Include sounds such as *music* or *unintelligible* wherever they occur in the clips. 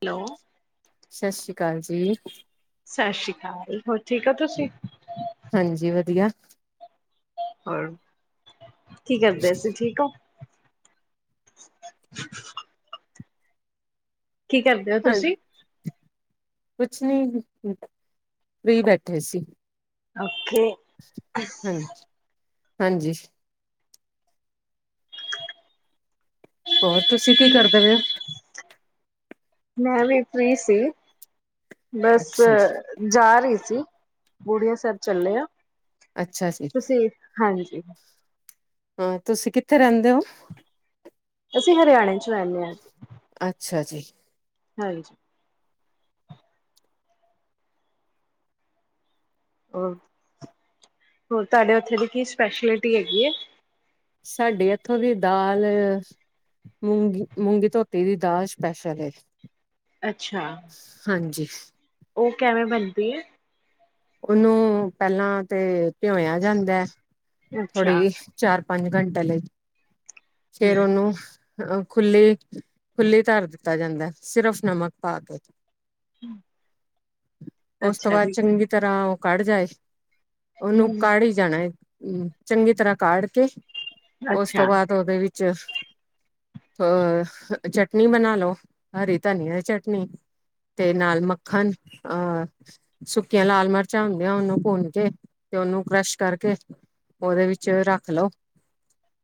Hello, ਸਤਿ ਸ਼੍ਰੀ ਅਕਾਲ ਜੀ, ਸਤਿ ਸ਼੍ਰੀ ਅਕਾਲ ਹੋਰ ਠੀਕ ਔ ਤੁਸੀਂ, ਹਾਂਜੀ ਵਧੀਆ, ਹੋਰ, ਕੀ ਕਰਦੇ ਸੀਂ ਠੀਕ ਔ, *inaudible* ਕੀ ਕਰਦੇ ਹੋ ਹਾਂ ਤੁਸੀਂ? ਕੁਛ ਨੀ ਫ੍ਰੀ ਬੈਠੇ ਸੀ। ਅੱਛ ਓਕੇ, ਹਾਂ ਹਾਂਜੀ, ਹੋਰ ਤੁਸੀਂ ਕੀ ਕਰਦੇ ਹੋ। ਮੈਂ ਵੀ ਫ੍ਰੀ ਸੀ। ਬਸ ਅੱਛਾ ਜੀ, ਜਾ ਰਹੀ ਸੀ। ਬੜੂ ਸਾਹਿਬ ਚੱਲੇ ਆ। ਅੱਛਾ ਜੀ, ਤੁਸੀਂ ਹਾਂਜੀ, ਹਾਂ ਤੁਸੀਂ ਕਿੱਥੇ ਰਹਿੰਦੇ ਹੋ? ਅਸੀਂ ਹਰਿਆਣੇ ਚ ਰਹਿੰਨੇ ਆ ਜੀ, ਅੱਛਾ ਜੀ, ਹਾਂਜੀ, ਹੋਰ ਤੁਹਾਡੇ ਉਥੇ ਦੀ ਕੀ ਸਪੈਸ਼ਲਿਟੀ ਹੈਗੀ ਐ। ਸਾਡੀ ਇੱਥੋਂ ਦੀ ਦਾਲ ਮੂੰਗੀ ਮੂੰਗੀ ਧੋਤੀ ਦੀ ਦਾਲ ਸਪੈਸ਼ਲ ਐ। ਅੱਛਾ, ਉਹ ਕਿਵੇਂ ਬਣਦੀ ਹੈ। ਉਹਨੂੰ ਪਹਿਲਾਂ ਤੇ, ਭਿਉਇਆ ਜਾਂਦਾ ਥੋੜ੍ਹੀ ਅੱਛਾ ਜੀ ਚਾਰ ਪ ਪੰਜ ਘੰਟੇ ਲਈ, ਫੇਰ ਹਮ ਔਨੂੰ, ਅਹ ਖੁੱਲੀ-ਖੁੱਲੀ ਧਰ ਦਿੱਤਾ ਜਾਂਦਾ ਸਿਰਫ ਨਮਕ ਪਾ ਕੇ, ਅੱਛਾ ਜੀ, ਹਾਂ ਉਹ ਕੜ ਜਾਏ। ਉਹਨੂੰ ਹਮ ਕੜ ਹੀ ਜਾਣਾ ਐ। ਹੂੰ, ਚੰਗੀ ਤਰ੍ਹਾਂ ਕਾੜ ਕੇ, ਉਸ ਤੋਂ ਅੱਛਾ ਬਾਅਦ ਉਹਦੇ ਵਿੱ ਅ ਚ ਚਟਨੀ ਬਣਾ ਲਓ, ਹਰੀ ਧਨੀਆ ਦੀ ਚਟਨੀ ਤੇ ਨਾਲ ਮੱਖਣ ਅਹ ਸੁ ਲਾਲ ਮਿਰਚਾਂ ਹੁੰਦੀਆਂ ਉਹਨੂੰ ਭੁੰਨ ਕੇ ਤੇ ਉਹਨੂੰ ਕਰਾਸ਼ ਕਰਕੇ ਉਹਦੇ ਵਿੱਚ ਰੱਖ ਲਓ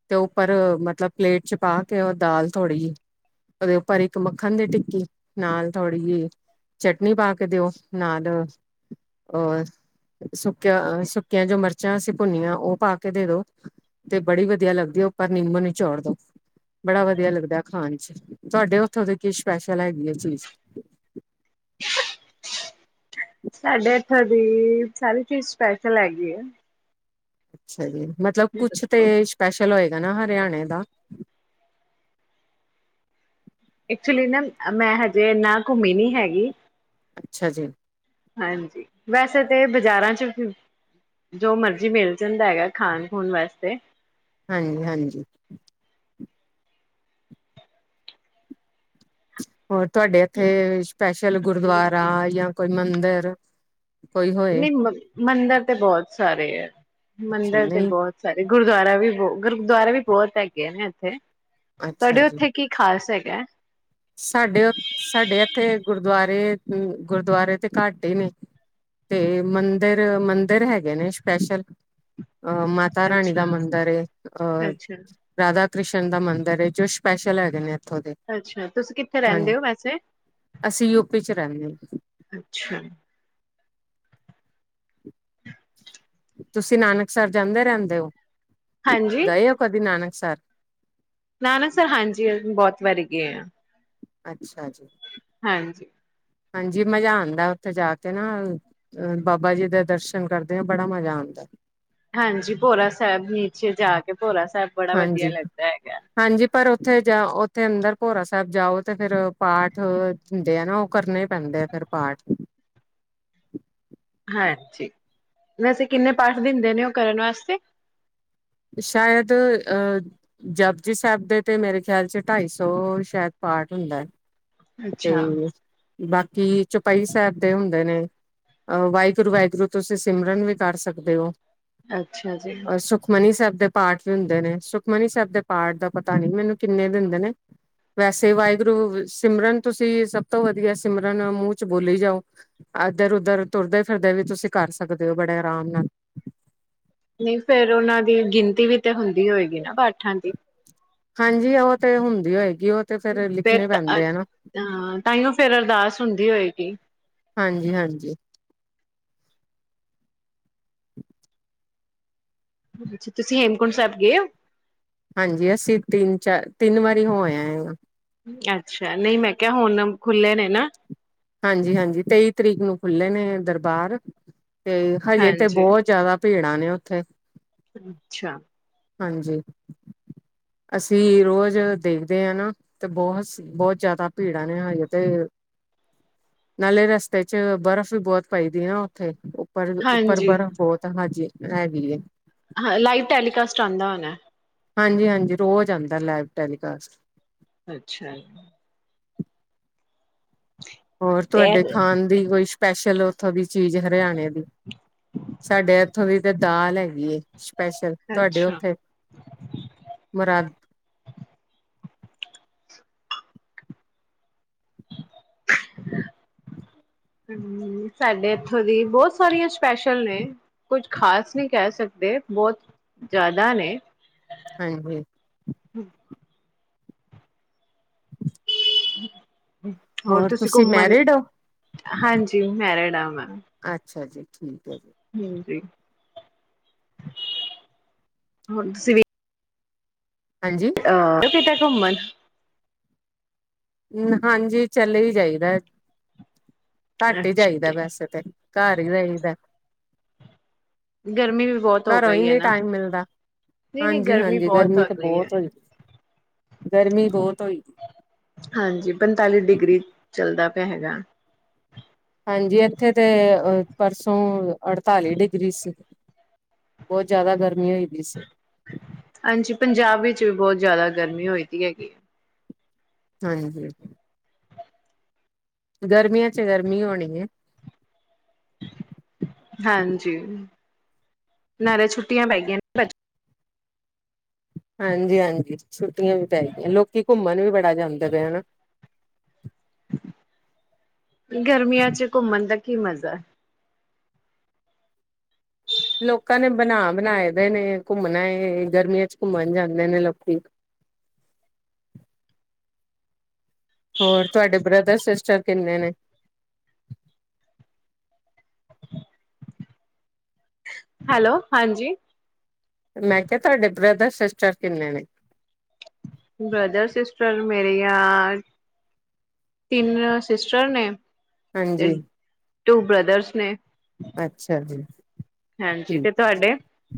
ਤੇ ਉੱਪਰ ਮਤਲਬ ਪਲੇਟ ਚ ਪਾ ਕੇ ਉਹ ਦਾਲ ਥੋੜ੍ਹੀ ਜਿਹੀ ਉਹਦੇ ਉੱਪਰ ਇੱਕ ਮੱਖਣ ਦੀ ਟਿੱਕੀ ਨਾਲ ਥੋੜ੍ਹੀ ਜਿਹੀ ਚਟਨੀ ਪਾ ਕੇ ਦਿਓ ਨਾਲ ਹੋਰ, ਸੁੱਕਿਆ-ਸੁੱਕਿਆਂ ਜੋ ਮਿਰ ਜੋ ਅਸੀਂ ਭੁੰਨੀਆਂ ਉਹ ਪਾ ਕੇ ਦੇ ਦੋ ਤੇ ਬੜੀ ਵਧੀਆ ਲੱਗਦੀ ਉੱਪਰ ਨਿੰਮੋ ਨਿਚੋੜ ਦੋ ਬੜਾ ਵਧੀਆ ਲੱਗਦਾ ਖਾਣ ਚ ਤੁਹਾਡੇ ਉੱਥੋਂ ਦੇ ਕੀ ਸਪੈਸ਼ਲ ਹੈਗੀ ਹੈ ਚੀਜ਼, ਸਾਡੇ ਇੱਥੋਂ ਦੀ ਸਾਰੀ ਚੀਜ਼ ਸਪੈਸ਼ਲ ਹੈਗੀ ਐ। ਅੱਛਾ ਜੀ, ਮਤਲਬ ਕੁਛ ਤੇ ਸਪੈਸ਼ਲ ਹੋਏਗਾ ਨਾ ਹਰਿਆਣੇ ਦਾ, ਐਕਚੁਲੀ ਨਾ ਮੈਂ ਹਜੇ ਨਾ ਘੁੰਮੀ ਨੀ ਹੈਗੀ। ਅੱਛਾ ਜੀ, ਹਾਂਜੀ ਵੈਸੇ ਤਾਂ ਬਾਜ਼ਾਰਾਂ ਚ ਜੋ ਮਰਜ਼ੀ ਮਿਲ ਜਾਂਦਾ ਹੈਗਾ ਖਾਣ-ਖੂਣ ਵਾਸਤੇ, ਹਾਂਜੀ-ਹਾਂਜੀ, ਹੋਰ ਤੁਹਾਡੇ ਇੱਥੇ ਸਪੈਸ਼ਲ ਗੁਰਦੁਆਰਾ ਜਾਂ ਕ ਕੋਈ ਮੰਦਿਰ, ਕੋਈ ਹੋਏ ਨਹੀਂ ਮੰਦਿਰ ਤੇ ਬਹੁਤ ਸਾਰੇ ਹੈ, ਅੱਛਾ ਮੰਦਿਰ ਤੇ ਨਹੀਂ ਬਹੁਤ ਸਾਰੇ ਗੁਰ ਗੁਰਦੁਆਰਾ ਵੀ ਬਹੁ ਗੁਰਦੁਆਰਾ ਵੀ ਬਹੁਤ ਹੈਗੇ ਨੇ ਇੱਥੇ ਅੱਛਾ ਤੁਹਾਡੇ ਜੀ ਉੱਥੇ ਕੀ ਖ਼ਾਸ ਹੈ। *inaudible* ਸਾਡੇ ਸਾਡੇ ਇੱਥੇ ਗੁਰਦੁਆਰੇ-ਗੁਰਦੁਆਰੇ ਤੇ ਘੱਟ ਹੀ ਨੇ ਤੇ ਮੰਦਿਰ-ਮੰਦਿਰ ਹੈਗੇ ਨੇ ਸਪੈਸ਼ਲ, ਅਹ ਮਾਤਾ ਰਾਣੀ ਦਾ ਅੱਛਾ ਮੰਦਰ ਏ ਅਹ ਅੱਛਾ ਰਾਧਾ, ਕ੍ਰਿਸ਼ਨ ਦਾ ਮੰਦਿਰ ਹੈ, ਜੋ ਸਪੈਸ਼ਲ ਹੈਗੇ ਨੇ ਇੱਥੋਂ ਦੇ ਅੱਛਾ, ਤੁਸੀਂ ਕਿੱਥੇ ਹਾਂਜੀ ਰਹਿੰਦੇ ਹੋ ਵੈਸੇ, ਅਸੀਂ ਯੂਪੀ ਚ ਰਹਿੰਦੇ ਅੱਛਾ ਤੁਸੀਂ ਨਾਨਕ ਸਹਿਬ ਜਾਂਦੇ ਰਹਿੰਦੇ ਹੋ। ਹਾਂਜੀ ਦਈ ਕ ਦਿਨਾਨ ਸਰ, ਨਾ ਨਾ ਸਰ ਹਾਂਜੀ ਬਹੁਤ ਵਾਰੀ ਕੀ ਹੋਇਆ ਅੱਛ ਛਾ ਜੀ ਹਾਂਜੀ ਮਜ਼ਾ ਆਂਦਾ, ਉੱਥੇ ਜਾ ਕੇ ਨਾ ਬਾਬਾ ਜੀ ਦੇ ਦਰਸ਼ਨ ਕਰਦੇ ਆ ਬੜਾ ਮਜ਼ਾ ਆਂਦਾ ਹਾਂਜੀ ਭੋਰਾ ਸਾਹਿਬ ਨੀਚੇ ਜਾ ਕੇ ਭੋਰਾ ਸਾਹਿਬ ਬੜਾ ਵਧੀਆ ਹਾਂਜੀ ਲੱਗਦਾ ਹੈਗਾ ਹਾਂਜੀ ਪਰ ਉੱਥੇ ਜਾ ਉੱਥੇ ਅੰਦਰ ਭੋਰਾ ਸਾਹਿਬ ਜਾਓ ਤੇ ਫੇਰ ਪਾਠ ਦਿੰਦੇ ਆ ਨਾ ਉਹ, ਕਰਨੇ ਹੀ ਪੈਂਦੇ ਆ ਫਿਰ ਪਾਠ *inaudible* ਹਾਂ ਠੀਕ, ਵੈਸੇ ਕਿੰਨੇ ਪਾਠ ਦਿੰਦੇ ਨੇ ਉਹ ਕਰਨ ਵਾਸਤੇ ਸ਼ਾਇਦ ਅਹ ਜਪਜੀ ਸਾਹਿਬ ਦੇ ਤੇ ਮੇਰੇ ਖਿਆਲ ਚ ਢਾਈ ਸੌ ਸ਼ਾਇਦ ਪਾਠ ਹੁੰਦਾ ਏ। ਅੱਛਾ। ਬਾਕੀ ਚੌਪਈ ਸਾਹਿਬ ਦੇ ਹੁੰਦੇ ਨੇ ਅ ਵਾਹਿਗੁਰੂ, ਵਾਹਿਗੁਰੂ ਤੁਸੀਂ ਸਿਮਰਨ ਵੀ ਕਰ ਸਕਦੇ ਹੋ। ਅੱਛਾ ਜੀ। ਮਨੀ ਸਾਹਿਬ ਦੇ ਪਾਠ ਵੀ ਹੁੰਦੇ ਨੇ, ਸੁਖਮਨੀ ਸਾਹਿਬ ਦੇ ਪਾਠ ਦਾ ਪਤਾ ਨੀ, ਮੈਨੂੰ ਕਿੰਨੇ ਦਿੰਦੇ ਨੇ ਵੈਸੇ ਵਾਹਿਗੁਰੂ ਸਿਮਰਨ ਤੁਸੀਂ ਸਭ ਤੋਂ ਵਧੀਆ ਸਿਮਰਨ ਮੂੰਹ ਚ ਬੋਲੀ ਜਾਓ ਇਧਰ- ਉਧਰ ਤੁਰਦੇ ਫਿਰਦੇ ਵੀ ਤੁਸੀਂ ਕਰ ਸਕਦੇ ਹੋ। ਬੜੇ ਆਰਾਮ ਨਾਲ। ਨਹੀਂ ਫੇਰ ਉਹਨਾਂ ਦੀ ਗਿਣਤੀ ਵੀ ਤੇ ਹੁੰਦੀ ਹੋਏਗੀ ਨਾ ਪਾਠਾਂ ਦੀ। ਹਾਂਜੀ, ਉਹ ਤੇ ਹੁੰਦੀ ਹੋਏਗੀ। ਉਹ ਤੇ ਫੇਰ ਲਿਖਣੇ ਤਾਂ ਪੈਂਦੇ ਆ ਨਾ ਅਹ ਤਹੀਓ ਫੇਰ ਅਰਦਾਸ ਹੁੰਦੀ ਹੋਏਗੀ। ਹਾਂਜੀ ਹਾਂਜੀ *inaudible* ਅੱਛਾ, ਤੁਸੀਂ ਹੇਮਕੁੰਟ ਸਾਹਿਬ ਗਏ ਹੋ। ਹਾਂਜੀ, ਅਸੀਂ ਤਿੰਨ ਚਾਰ ਤਿੰਨ ਵਾਰੀ ਹੋ ਆਏ ਆ। ਅੱਛਾ, ਨਹੀਂ ਮੈਂ ਕਿਹਾ ਹੁਣ ਖੁੱਲੇ ਨੇ ਨਾ। ਹਾਂਜੀ -ਹਾਂਜੀ ਤੇਈ ਤਰੀਕ ਨੂੰ ਖੁੱਲ੍ਹੇ ਨੇ ਦਰਬਾਰ। ਤੇ ਹਜੇ ਤੇ ਹਾਂਜੀ। ਬਹੁਤ ਜਿਆਦਾ ਭੀੜਾਂ ਨੇ ਉੱਥੇ। ਅੱਛਾ। ਹਾਂਜੀ, ਅਸੀਂ ਰੋਜ਼ ਦੇਖਦੇ ਹਾਂ ਨਾ, ਤੇ ਬਹੁਤ ਬਹੁਤ ਜ਼ਿਆਦਾ ਭੀੜਾਂ ਨੇ ਹਜੇ ਤੇ ਨਾਲੇ ਰਸਤੇ ਚ ਬਰਫ਼ ਵੀ ਬਹੁਤ ਪਈਦੀ ਨਾ ਉੱਥੇ। ਉੱਪਰ -ਉੱਪਰ ਹਾਂਜੀ ਬਰਫ਼ ਬਹੁਤ ਹੈ। ਹਾਂਜੀ- ਹੈਗੀ ਏ ਹਾਂ, ਲਾਈਵ ਟੈਲੀਕਾਸਟ ਆਂਦਾ ਹੋਣਾ ਏ। ਹਾਂਜੀ-ਹਾਂਜੀ, ਰੋਜ਼ ਆਂਦਾ ਲਾਈਵ ਟੈਲੀਕਾਸਟ। ਅੱਛਾ। ਹੋਰ ਤੇ ਤੁਹਾਡੇ ਖਾਣ ਦੀ ਕੋਈ ਸਪੈਸ਼ਲ ਉੱਥੋਂ ਦੀ ਚੀਜ਼ ਹਰਿਆਣੇ ਦੀ ਸਾਡੇ ਇੱਥੋਂ ਦੀ ਤੇ ਦਾਲ ਹੈਗੀ ਏ। ਸਪੈਸ਼ਲ ਤੁਹਾਡੇ ਅੱਛਾ ਉੱਥੇ ਮੁਰਾਦ ਹੂੰ, ਸਾਡੇ ਇੱਥੋਂ ਦੀ ਬਹੁਤ ਸਾਰੀਆਂ ਸਪੈਸ਼ਲ ਨੇ ਕੁੱਝ ਖ਼ਾਸ ਨਹੀਂ ਕਹਿ ਸਕਦੇ, ਬਹੁਤ ਜ਼ਿਆਦਾ ਨੇ। ਹਾਂਜੀ। ਹੂੰ *unintelligible* ਹੋਰ ਤੁਸੀਂ ਮੈਰਿਡ ਹੋ? ਹਾਂਜੀ ਮੈਰਿਡ ਆਂ ਮੈਂ। ਅੱਛਾ ਜੀ ਠੀਕ ਐ। ਹਾਂਜੀ ਹੋਰ ਤੁਸੀਂ ਵੀ ਹਾਂਜੀ ਅਹ *unintelligible* ਘੁੰਮਨ ਹਾਂਜੀ, ਚੱਲੇ ਹੀ ਜਾਇਦਾ ਐ। ਘੱਟ ਹੀ ਜਾਈਦਾ ਅੱਛਾ ਵੈਸੇ ਤੈ ਘਰ ਈ ਰਹੀਦਾ। ਗਰਮੀ ਵੀ ਬਹੁਤ ਹੋ ਘਰੋਂ ਹੀ ਗਈ ਹੈ ਨਹੀਂ ਨਾ ਟਾਈਮ ਮਿਲਦਾ, ਨਹੀਂ ਨਹੀਂ ਹਾਂਜੀ-ਹਾਂਜੀ ਬਹੁਤ ਗਰਮੀ ਹੋ ਤੇ ਗਈ ਹੈ ਬਹੋਤ ਹੋਈ, ਗਰਮੀ ਬਹੋਤ ਹੋਈ ਦੀ। ਹਾਂਜੀ ਪੰਤਾਲੀ ਡਿਗਰੀ ਚੱਲਦਾ ਪਿਆ ਹੈਗਾ। ਹਾਂਜੀ ਇੱਥੇ ਤੇ ਅ ਪਰਸੋਂ ਅੜਤਾਲੀ ਡਿਗਰੀ ਸੀ ਬਹੁਤ ਜ਼ਿਆਦਾ ਗਰਮੀ ਹੋਈ ਦੀ ਸੀ ਹਾਂਜੀ ਪੰਜਾਬ ਵਿੱਚ ਵੀ ਬਹੁਤ ਜਿਆਦਾ ਗਰਮੀ ਹੋਈ ਦੀ ਹੈਗੀ ਐ। ਹਾਂਜੀ। *unintelligible* ਗਰਮੀਆਂ ਚ ਗਰਮੀ ਹੋਣੀ ਐ। ਹਾਂਜੀ, ਨਾਲੇ ਛੁੱਟੀਆਂ ਪੈ ਗਈਆਂ ਨੇ ਬਚ ਹਾਂਜੀ-ਹਾਂਜੀ ਛੁੱਟੀਆਂ ਵੀ ਪੈ ਗਿਆਂ ਲੋਕੀ ਘੁੰਮਨ ਵੀ ਬੜਾ ਜਾਂਦੇ ਪਏ ਹਨਾ। ਗਰਮੀਆਂ ਚ ਘੁੰਮਨ ਦਾ ਕੀ ਮਜ਼ਾ ਐ? ਲੋਕਾਂ ਨੇ ਬਨਾ ਬਨਾਏ ਦੇ ਨੇ, ਘੁੰਮਨਾ ਏ ਗਰਮੀਆਂ ਚ ਘੁੰਮਣ ਜਾਂਦੇ ਨੇ ਲੋਕੀ। ਹੋਰ ਤੁਹਾਡੇ ਬ੍ਰਦਰ ਸਿਸਟਰ ਕਿੰਨੇ ਨੇ? ਹੈਲੋ ਹਾਂਜੀ। ਮੈਂ ਕਿਹਾ ਤੁਹਾਡੇ ਬ੍ਰਦਰ ਸਿਸਟਾਰ ਕਿੰਨੇ ਨੇ? ਬ੍ਰਦਰ ਸਿਸਟਰ ਮੇਰੇ ਆ ਤਿੰਨ ਸਿਸਟਰ ਨੇ। ਤੇ ਹਾਂਜੀ। ਟੂ ਬ੍ਰਦਰਸ ਨੇ। ਅੱਛਾ ਜੀ, ਹਾਂਜੀ ਤੇ ਠੀਕ ਤੁਹਾਡੇ ਐ।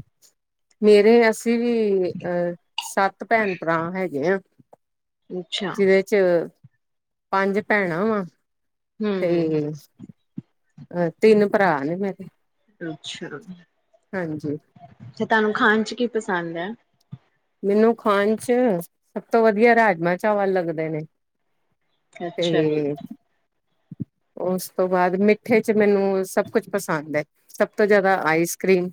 ਮੇਰੇ ਅਸ ਸੀਂ ਵੀ ਅਹ ਸੱਤ ਭੈਣ ਭਰਾ ਹੈਗੇ ਆ। ਅੱਛਾ ਜਿਹਦੇ ਚ ਪੰਜ ਭੈਣਾਂ ਵਾਂ। ਹਮ ਤੇ ਅਹ ਤਿੰਨ ਭਰਾ ਨੇ ਮੇਰੇ। ਅੱਛਾ। ਹਾਂਜੀ ਤੇ ਤੁਹਾਨੂੰ ਖਾਨ ਚ ਕਿ ਪਸੰਦ ਐ। ਮੈਨੂੰ ਖਾਨ ਚ ਸਭ ਤੋਂ ਵਧੀਆ ਰਾਜਮਾਂ ਚਾਵਲ ਲੱਗਦੇ ਨੇ। ਅੱਛਾ ਜੀ, ਤੇ ਉਸ ਤੋਂ ਬਾਅਦ ਮਿੱਠੇ ਚ ਮੈਨੂੰ ਸਭ ਕੁਛ ਪਸੰਦ ਹੈ ਸਭ ਤੋਂ ਜ਼ਿਆਦਾ ਆਈਸ ਕਰੀਮ,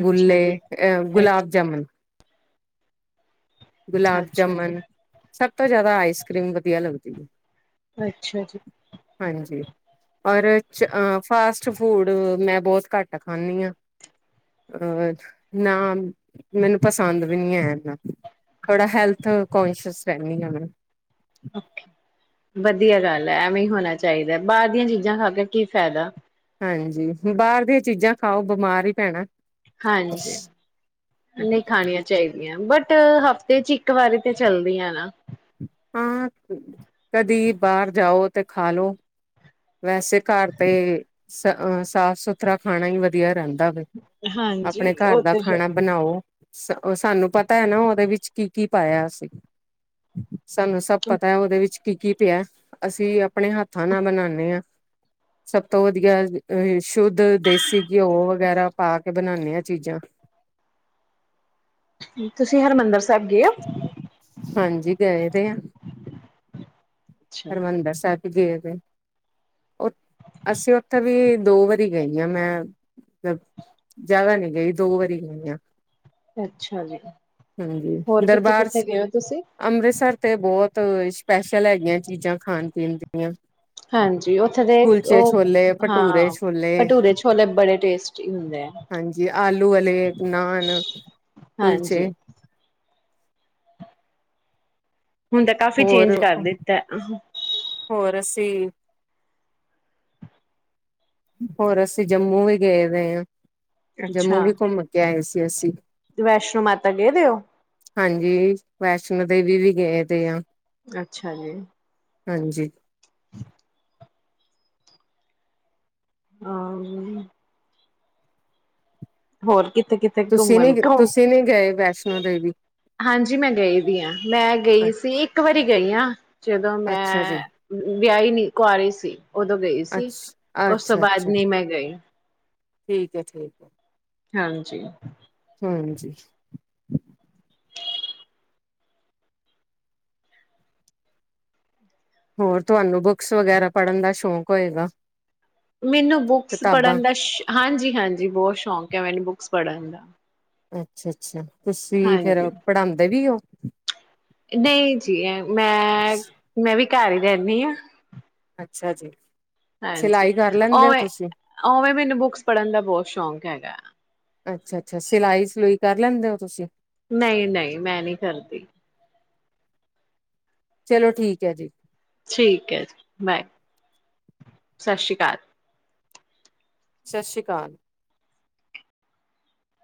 ਅੱਛਾ ਜੀ ਅਹ ਗੁਲਾਬ ਜਾਮੁਨ ਅੱਛਾ ਗੁਲਾਬ ਜੀ ਜਾਮਨ ਸਭ ਤੋਂ ਜਿਆਦਾ ਆਈਸ ਕਰ੍ਰੀਮ ਵਧੀਆ ਲੱਗਦੀ। ੀ ਅੱਛਾ ਜੀ ਹਾਂਜੀ, ਔਰ ਫਾਸਟ ਫੂਡ ਮੈਂ ਬਹੁਤ ਘੱਟ ਖਾਂਨੀ ਆ ਅਹ ਨਾ ਮੈਨੂੰ ਪਸੰ ਪਸੰਦ ਵੀ ਨੀ ਹੈਨਾ। ਥੋੜਾ ਹੈਲਥ ਕੋਂਸ਼ੀਅਸ ਰਹਿੰਨੀ ਹਾਂ ਮੈਂ, ਓਕੇ ਵਧੀਆ ਗੱਲ ਹੈ ਐਵੇਂ ਹੋਣਾ ਚਾਹੀਦਾ, ਬਾਹਰ ਦੀਆਂ ਚੀਜ਼ਾਂ ਖਾ ਕੇ ਕੀ ਫਾਇਦਾ। ਹਾਂਜੀ ਬਾਹਰ ਦੀਆਂ ਚੀਜ਼ਾਂ ਖਾਓ ਬਿਮਾਰ ਹੀ ਪੈਣਾ, ਹਾਂਜੀ, ਨਹੀਂ ਖਾਣੀਆਂ ਚਾਹੀਦੀਆਂ ਬਟ ਬਟ ਹਫ਼ਤੇ ਚ ਇੱਕ ਵਾਰੀ ਤੇ ਚੱਲਦੀ ਆ ਨਾ, ਹਾਂ ਕਦੀ ਬਾਹਰ ਜਾਓ ਤੇ ਖਾਲੋ, ਵੈਸੇ ਘਰ ਤੇ, ਸ ਸਾਫ਼ ਸੁਥਰਾ ਖਾਣਾ ਹੀ ਵਧੀਆ ਰਹਿੰ ਦੀ ਹਾਂਜੀ ਆਪਣੇ ਘਰ ਉਹ ਦਾ ਤੇ ਹੈ ਖਾਣਾ ਬਣਾਓ। ਉਹ ਸਾਨੂੰ ਪਤਾ ਹੈ, ਨਾ ਉਹਦੇ ਵਿੱਚ ਕੀ ਕੀ ਪਾਇਆ ਸੀ। ਸਾਨੂੰ ਸਭ ਪਤਾ ਹੈ, ਉਹਦੇ ਵਿੱਚ ਕੀ ਕੀ ਪਿਆ ਅਸੀਂ ਆਪਣੇ ਹੱਥਾਂ ਨਾ ਬਣਾਣਾ, ਸਭ ਤੋਂ ਵਧੀਆ ਅ ਸ਼ੁੱਧ ਦੇਸੀ ਘਿਓ ਵਗੈਰਾ ਪਾ ਕੇ ਬਣਾਨੇ ਹਾਂ ਚੀਜ਼ਾਂ, ਤੁਸੀਂ ਹਰਿਮੰਦਰ ਸਾਹਿਬ ਗਏ ਔ। ਹਾਂਜੀ ਗਏ ਤੇ ਆ ਅੱਛਾ ਹਰਿਮੰਦਰ ਸਾਹਿਬ, ਗਏ ਤੇ, ਅਸੀਂ ਉੱਥੇ ਵੀ ਦੋ ਵਾਰੀ ਗਈ ਹਾਂ ਮੈਂ ਮਤਲਬ ਲਬ ਜਿਆਦਾ ਨੀ ਗਈ ਦੋ ਵਾਰੀ ਗਈ ਆ। ਅੱਛਾ ਜੀ ਹਾਂਜੀ ਹੋਰ ਦਰਬਾਰ ਕਿੱਥੇ-ਕਿੱਥੇ ਗਏ ਹੋ, ਤੁਸੀਂ ਅੰਮ੍ਰਿਤਸਰ ਤੇ ਬਹੁਤ, ਬਹੁਤ ਸਪੈਸ਼ਲ ਹੈਗੀਆਂ ਚੀਜ਼ਾਂ ਖਾਣ ਪੀਣ ਦੀਆਂ, ਹਾਂਜੀ, ਉੱਥੇ ਦੇ ਕੁਲਚੇ ਉਹ ਛੋਲੇ ਭਟੂਰੇ ਹਾਂ ਛੋਲੇ ਭਟੂਰੇ ਛੋਲੇ ਬੜੇ ਟੇਸਟੀ ਹੁੰਦੇ ਆ ਹਾਂਜੀ ਆਲੂ ਵਾਲੇ ਨਾਨ ਕੁਲਚੇ ਹਾਂਜੀ, ਹੁਣ ਤਾਂ ਕਾਫੀ ਹੋਰ ਚੇਂਜ ਕਰ ਦਿੱਤਾ। ਤੇ, ਹੋਰ ਅਸੀਂ ਜੰਮੂ ਵੀ ਗਏ ਹੋ ਹਾਂ। ਜੰਮੂ ਅੱਛਾ ਵੀ ਘੁੰਮ ਕੇ ਆਏ ਸੀ। ਅਸੀ, ਵੈਸ਼ਨੋ ਮਾਤਾ ਗਏ ਦੇ ਔ, ਹਾਂਜੀ ਵੈਸ਼ਨੋ ਦੇਵੀ ਵੀ ਗਏ ਤੇ ਆ। ਅੱਛਾ ਜੀ, ਹਾਂਜੀ *inaudible* ਆਹੀ *unintelligible* ਹੋਰ ਕਿ ਕਿਥੇ ਤੁਸੀਂ ਨੀ ਘੁੰਮਣ ਘ ਤੁਸੀਂ ਨੀ ਗਏ ਵੈਸ਼ਨੋ ਦੇਵੀ *unintelligible* ਹਾਂਜੀ ਮੈਂ ਗਈ ਵੀ ਹਾਂ ਮੈਂ ਗਈ ਸੀ ਇੱਕ ਵਾਰੀ ਗਈ ਹਾਂ ਹ *unintelligible* ਜਦੋਂ ਅੱਛਾ ਮੈਂ ਜੀ ਵਿਆਹੀ ਨਹੀਂ ਕੁਆਰੀ ਸੀ ਉਦੋਂ ਗਈ ਸੀ ਅੱਛਾ ਉਸ ਤੋਂ ਅੱਛਾ ਬਾਅਦ ਅੱਛਾ ਨਹੀਂ ਮੈਂ ਗਈ ਠੀਕ ਹੈ ਠੀਕ ਹੈ ਹਾਂਜੀ ਹਮ ਜੀ ਹੋਰ ਤੁਹਾਨੂੰ ਬੁੱਕਸ ਵਗੈਰਾ ਪੜ੍ਹਨ ਦਾ ਸ਼ੌਕ ਹੋਏਗਾ ਮੈਨੂੰ ਬੁਕਸ ਕਿਤਾਬਾਂ ਪੜ੍ਹਨ ਦਾ ਸ਼ ਹਾਂਜੀ ਹਾਂਜੀ ਬਹੁਤ ਸ਼ੌਕ ਐ ਮੈਨੂੰ ਬੁਕਸ ਪੜਨ ਦਾ ਅੱਛਾ ਅੱਛਾ ਤੁਸੀਂ ਫੇਰ ਹਾਂਜੀ ਪੜਾਉਂਦੇ ਵੀ ਹੋ ਨਹੀਂ ਜੀ ਮੈਂ ਮੈਂ ਵੀ ਘਰ ਹੀ ਰਹਿੰਨੀ ਆਂ ਅੱਛਾ ਜੀ ਹਾਂਜੀ ਸਿਲਾਈ ਕਰ ਲੈਂਦੇ ਹੋ ਉਵੇਂ ਤੁਸੀਂ ਉਵੇਂ ਮੈਨੂੰ ਬੁੱਕਸ ਪੜ੍ਹਨ ਦਾ ਬਹੁਤ ਸ਼ੌਕ ਹੈਗਾ ਆ ਅੱਛਾ ਅੱਛਾ ਸਿਲਾਈ ਸਲੂਈ ਕਰ ਲੈਂਦੇ ਹੋ ਤੁਸੀਂ ਨਹੀਂ ਨਹੀਂ ਮੈਂ ਨਹੀਂ ਕਰਦੀ ਚਲੋ ਠੀਕ ਹੈ ਜੀ ਠੀਕ ਹੈ ਜੀ ਬਾਏ ਸਤਿ ਸ੍ਰੀ ਅਕਾਲ ਸਤਿ ਸ੍ਰੀ ਅਕਾਲ